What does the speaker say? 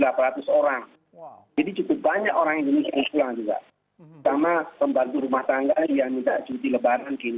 sama sempat berumah tangga yang minta cuti lebaran ke indonesia